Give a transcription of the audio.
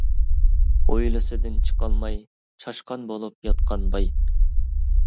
ھويلىسىدىن چىقالماي، چاشقان بولۇپ ياتقان باي.